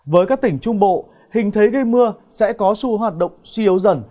với các tỉnh trung bộ hình thấy gây mưa sẽ có sự hoạt động suy yếu dần